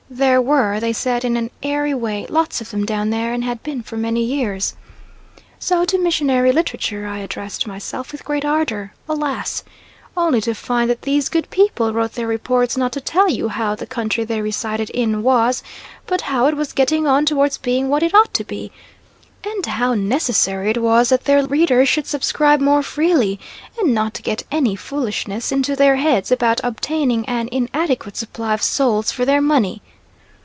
"There were," they said, in an airy way, "lots of them down there, and had been for many years." So to missionary literature I addressed myself with great ardour; alas! only to find that these good people wrote their reports not to tell you how the country they resided in was, but how it was getting on towards being what it ought to be, and how necessary it was that their readers should subscribe more freely, and not get any foolishness into their heads about obtaining an inadequate supply of souls for their money.